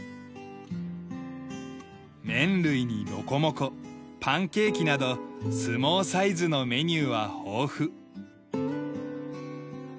麺類にロコモコパンケーキなどＳＵＭＯサイズのメニューは豊富。